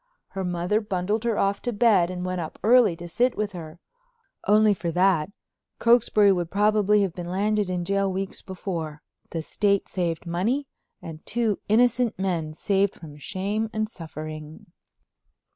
Her mother bundled her off to bed and went up early to sit with her. Only for that, Cokesbury would probably have been landed in jail weeks before, the State saved money and two innocent men saved shame and suffering.